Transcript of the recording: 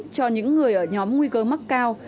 cho những người ở nhóm nguy cơ mắc cao